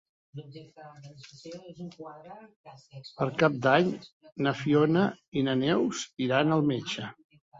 Per Cap d'Any na Fiona i na Neus iran al metge.